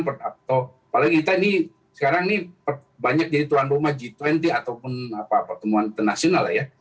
apalagi kita ini sekarang ini banyak jadi tuan rumah g dua puluh ataupun pertemuan internasional ya